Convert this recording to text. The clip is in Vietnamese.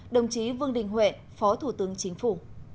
đồng chí vương đình huệ phó thủ tướng chính phủ